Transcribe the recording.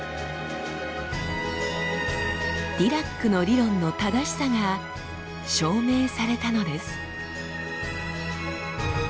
ディラックの理論の正しさが証明されたのです。